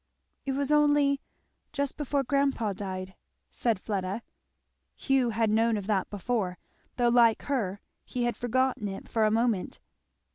"It was only just before grandpa died," said Fleda. Hugh had known of that before, though like her he had forgotten it for a moment.